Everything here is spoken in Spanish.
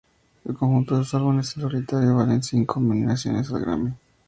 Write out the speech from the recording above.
El conjunto de sus álbumes en solitario le valen cinco nominaciones a los Grammy.